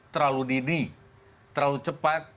terlalu dini terlalu cepat